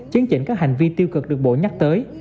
chấn chỉnh các hành vi tiêu cực được bộ nhắc tới